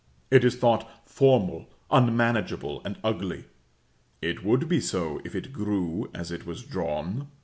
It is thought formal, unmanageable, and ugly. It would be so, if it grew as it is drawn.